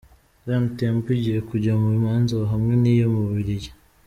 Zion Temple igiye kujya mu manza hamwe n’iyo mu Bubiligi.